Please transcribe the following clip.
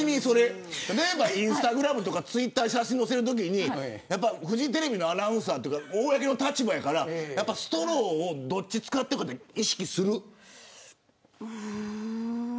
例えばインスタグラムとかツイッターに写真を載せるときにフジテレビのアナウンサーという公の立場やからストローをどっち使うかって意識する。